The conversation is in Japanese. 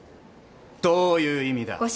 どういう意味だ。